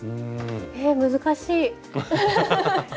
えっ難しい。